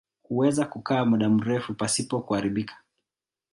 Huweza kukaa muda mrefu pasipo kuharibika.